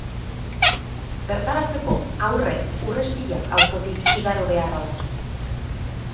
Bertaratzeko, aurrez Urrestilla auzotik igaro beharra dago.